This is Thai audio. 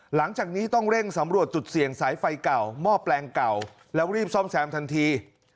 หลังจากนี้ต้องเร่งสำรวจจุดเสี่ยงสายไฟเก่าหม้อแปลงเก่าแล้วรีบซ่อมแซมทันที